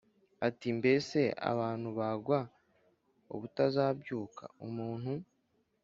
ati Mbese abantu bagwa ubutazabyuka Umuntu